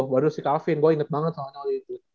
waduh si calvin gue inget banget soalnya waktu itu